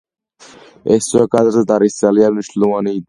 ეს ზოგადად არის ძალიან მნიშვნელოვანი იდეა.